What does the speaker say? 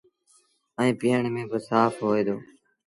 ائيٚݩ پيٚئڻ ميݩ با سآڦ هوئي دو۔